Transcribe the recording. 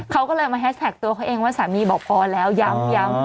เขาก็เลยมาแฮชแท็กตัวเขาเองว่าสามีบอกพอแล้วย้ำ